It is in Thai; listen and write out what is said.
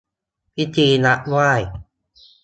พิธีรับไหว้